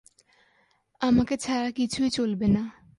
আমাকে ছাড়া কিছুই চলবে না।